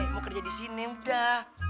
mau kerja di sini udah